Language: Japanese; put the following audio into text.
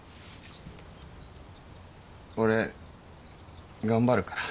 俺頑張るから。